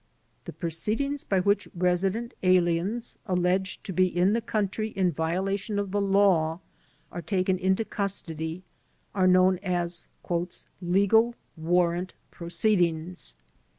The proceedings by which resident aliens alleged to be in the country in violation of the law are taken into custody, are known as "legal warrant proceedings."